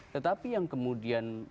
tetapi yang kemudian